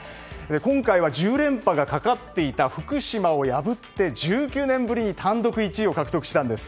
今回は１０連覇がかかっていた福島を破って１９年ぶりに単独１位を獲得したんです。